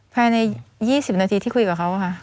ภายใน๒๐นาทีที่คุยกับเขาค่ะ